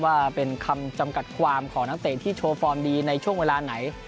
ว่าเป็นคำจำกัดความของนักเตะที่โชว์ฟอร์มดีในช่วงเวลาไหน